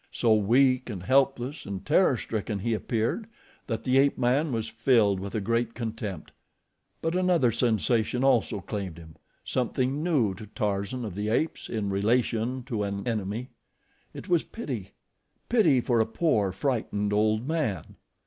So weak and helpless and terror stricken he appeared that the ape man was filled with a great contempt; but another sensation also claimed him something new to Tarzan of the Apes in relation to an enemy. It was pity pity for a poor, frightened, old man.